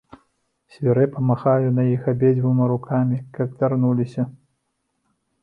Свірэпа махаю на іх абедзвюма рукамі, каб вярнуліся.